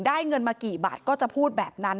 เงินมากี่บาทก็จะพูดแบบนั้น